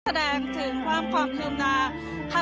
แสดงถึงความความคืบหน้า